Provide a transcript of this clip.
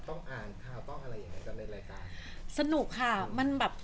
เรื่องนี้ก็สนุกค่ะได้